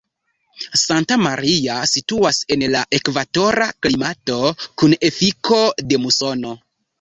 Santa Maria situas en la ekvatora klimato kun efiko de musono.